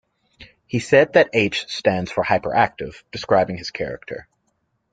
He has said that "H" stands for "hyperactive", describing his character.